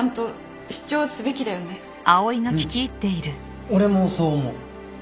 うん俺もそう思う。